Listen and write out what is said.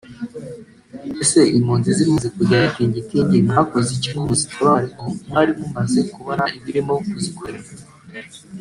Ese impunzi zimaze kugera Tingitingi mwakoze iki ngo muzitabare ko mwari mumaze kubona ibirimo kuzikorerwa